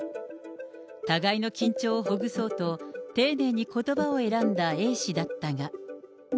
互いの緊張をほぐそうと、丁寧にことばを選んだＡ氏だったが。